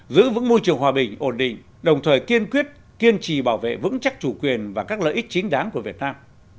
giữ vững môi trường hòa bình ổn định đồng thời kiên quyết kiên trì bảo vệ vững chắc chủ quyền và các lợi ích chính đáng của việt nam